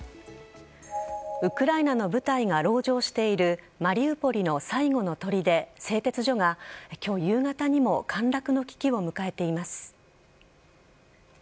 ウクライナの部隊が籠城しているマリウポリの最後の砦・製鉄所が今日夕方にも陥落の危機を迎えています。